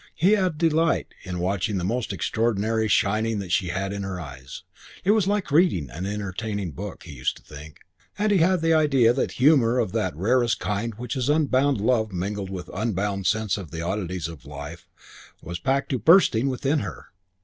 He had delight in watching the most extraordinary shining that she had in her eyes. It was like reading an entertaining book, he used to think, and he had the idea that humor of that rarest kind which is unbounded love mingled with unbounded sense of the oddities of life was packed to bursting within her.